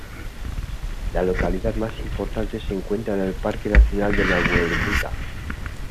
La localidad más importante se encuentra en el Parque Nacional Nahuelbuta.